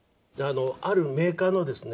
あるメーカーのですね